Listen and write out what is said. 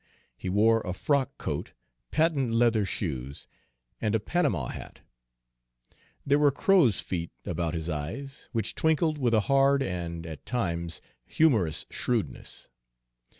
He wore a frock coat, patent leather shoes, and a Panama hat. There were crow's feet about his eyes, which twinkled with a hard and, at times, humorous shrewdness.